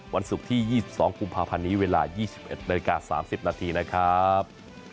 วันศุกร์ที่๒๒กุมภาพันธ์นี้เวลา๒๑นาฬิกา๓๐นาทีนะครับ